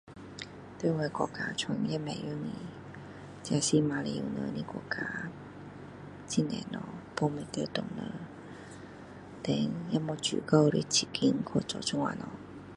在我国家创业不容易这是马来人的国家很多东西分不到华人 then 也没足够的资金去做这样的东西